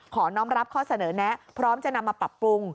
น้องรับข้อเสนอแนะพร้อมจะนำมาปรับปรุง